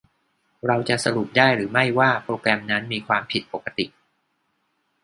เราจะสรุปได้หรือไม่ว่าโปรแกรมนั้นมีความผิดปกติ ?